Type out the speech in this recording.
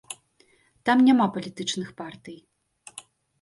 Там няма палітычных партый.